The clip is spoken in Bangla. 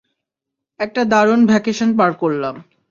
একটা দারুণ ভ্যাকেশন পার করলাম!